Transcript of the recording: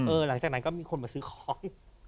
หลังจากนั้นก็มีคนมาซื้อของ